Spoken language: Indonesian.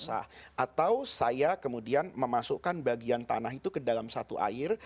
atau saya kemudian memasukkan bagian tanah itu ke dalam satu air